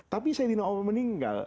tapi saidina umar meninggal